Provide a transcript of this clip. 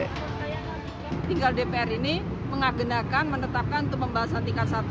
tinggal dpr ini mengagendakan menetapkan untuk pembahasan tingkat satu